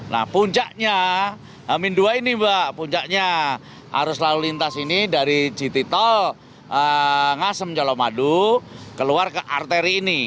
nah puncaknya min dua ini mbak puncaknya arus lalu lintas ini dari jitito ngasem jelomadu keluar ke arteri ini